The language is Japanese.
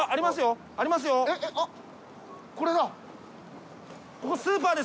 これだ！